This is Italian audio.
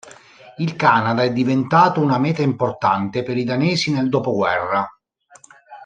Il Canada è diventato una meta importante per i danesi nel dopoguerra.